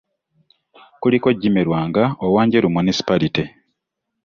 Kuliko Jimmy Lwanga owa Njeru Municipality